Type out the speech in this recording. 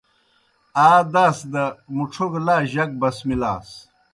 آ داس دہ مُڇھو گہ لا جک بسمِلاس۔